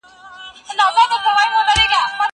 موسيقي د زهشوم له خوا اورېدلې کيږي؟!